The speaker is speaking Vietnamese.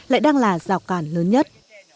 lại đang là rào cản lớn nhất